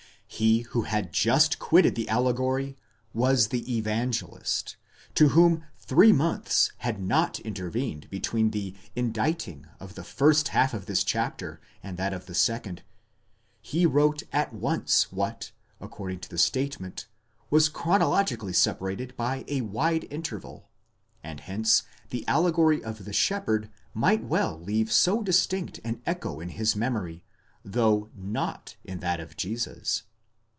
He who had just quitted the allegory was the Evangelist, to whom three months had not intervened between the inditing of the first half of this chapter, and that of the second. He wrote at once what, according to his statement, was chronologically separated by a wide interval ; and hence the allegory of the shepherd might well leave so distinct an echo in his memory, though not in that of Jesus.